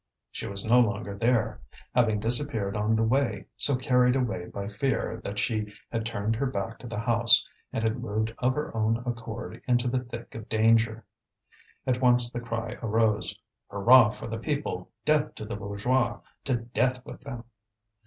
She was no longer there, having disappeared on the way, so carried away by fear, that she had turned her back to the house, and had moved of her own accord into the thick of danger. At once the cry arose: "Hurrah for the people! Death to the bourgeois! To death with them!"